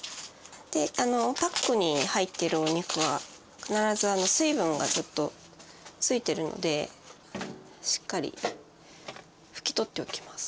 パックに入ってるお肉は必ず水分がちょっと付いてるのでしっかり拭き取っておきます。